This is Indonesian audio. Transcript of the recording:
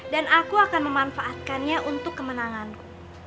dan aku akan memanfaatkannya untuk kemenanganku